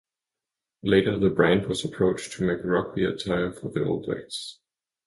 Later, the brand was approached to make rugby attire for the All Blacks.